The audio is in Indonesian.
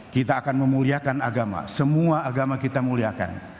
kita akan memuliakan agama semua agama kita muliakan